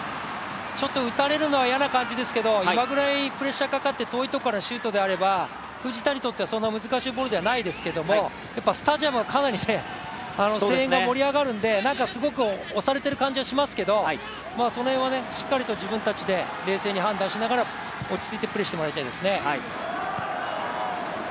ちょっと打たれるのは嫌な感じですけど今ぐらいプレッシャーかかって遠いところからシュートであれば藤田にとってはそんなに難しいボールではないですけれども、スタジアムはかなり声援が盛り上がるんで、すごく押されている感じはしますけどその辺はしっかりと自分たちで冷静に判断しながら落ち着いてプレーしてもらいたいですね。